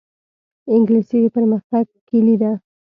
انګلیسي د پرمختګ کلي ده